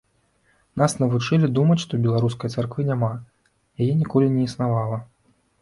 Нас навучылі думаць, што беларускай царквы няма, яе ніколі не існавала.